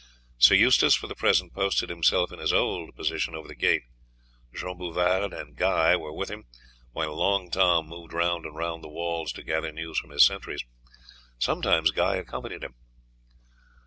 Sir Eustace, for the present, posted himself in his old position over the gate. Jean Bouvard and Guy were with him, while Long Tom moved round and round the walls to gather news from his sentries. Sometimes Guy accompanied him.